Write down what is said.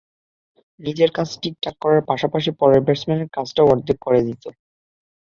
নিজের কাজ ঠিকঠাক করার পাশাপাশি পরের ব্যাটসম্যানের কাজটাও অর্ধেক করে দিত।